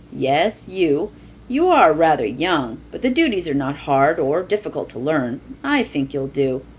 "Yes, you. You are rather young, but the duties are not hard or difficult to learn. I think you'll do.